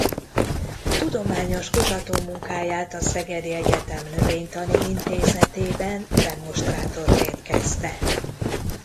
Tudományos kutatómunkáját a szegedi egyetem Növénytani Intézetében demonstrátorként kezdte.